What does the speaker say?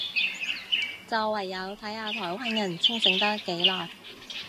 就唯有睇下台灣人清醒得幾耐